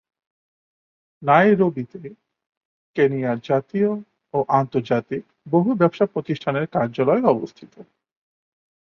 নাইরোবিতে কেনিয়ার জাতীয় ও আন্তর্জাতিক বহু ব্যবসা প্রতিষ্ঠানের প্রধান কার্যালয় অবস্থিত।